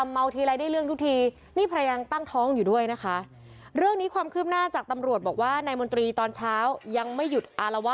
เมื่อกี๊กอี๊ขอวามววหัว